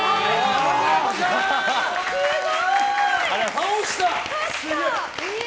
倒した！